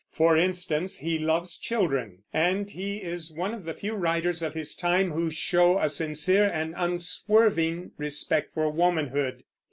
For instance, he loves children; and he is one of the few writers of his time who show a sincere and unswerving respect for womanhood.